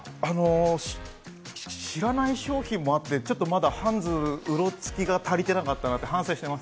知らない商品もあって、まだ、ハンズのうろつきが足りてないなと反省しています。